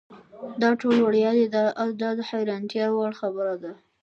دا ټول وړیا دي دا د حیرانتیا وړ خبره ده.